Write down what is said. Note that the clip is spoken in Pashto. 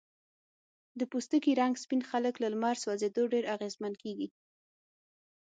د پوستکي رنګ سپین خلک له لمر سوځېدو ډیر اغېزمن کېږي.